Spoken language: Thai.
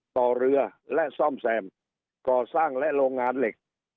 ต่อเรือและซ่อมแซมก่อสร้างและโรงงานเหล็ก